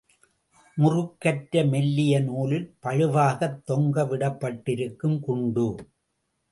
முறுக்கற்ற மெல்லிய நூலில் பளுவாகத் தொங்கவிடப் பட்டிருக்கும் குண்டு.